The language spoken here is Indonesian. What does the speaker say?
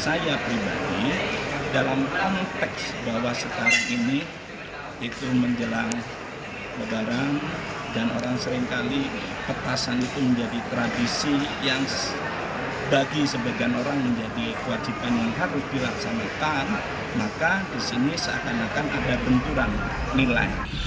saya pribadi dalam konteks bahwa sekarang ini itu menjelang lebaran dan orang seringkali petasan itu menjadi tradisi yang bagi sebagian orang menjadi kewajiban yang harus dilaksanakan maka disini seakan akan ada benturan nilai